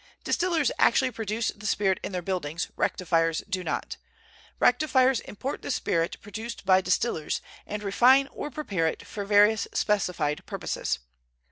Distillers actually produce the spirit in their buildings, rectifiers do not. Rectifiers import the spirit produced by distillers, and refine or prepare it for various specified purposes.